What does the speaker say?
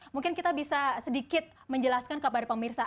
mungkin kita bisa sedikit menjelaskan kepada pemirsa